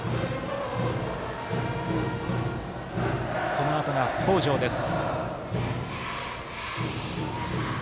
このあとが、北條です。